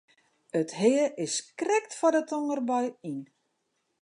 It hea is krekt foar de tongerbui yn.